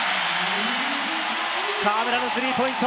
河村のスリーポイント！